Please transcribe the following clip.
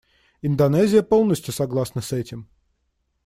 Индонезия полностью согласна с этим.